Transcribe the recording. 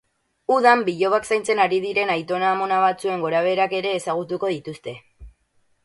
Udan bilobak zaintzen ari diren aitona-amona batzuen gorabeherak ere ezagutuko dituzte.